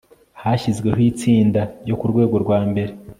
hashyizweho itsinda ryo ku rwego rwa mbere